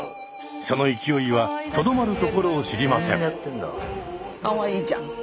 その勢いはとどまるところを知りません。